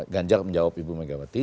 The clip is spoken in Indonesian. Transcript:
ganjar menjawab ibu megawati